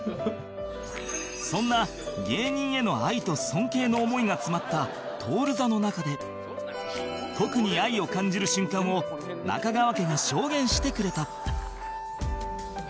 そんな芸人への愛と尊敬の思いが詰まった徹座の中で特に愛を感じる瞬間を中川家が証言してくれた